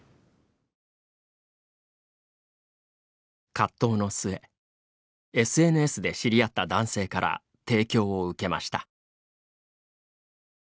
葛藤の末ＳＮＳで知り合った男性から提供を受けました。